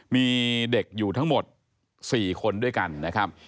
มีเด็กอยู่ทั้งหมด๔คนด้วยกันนะครับ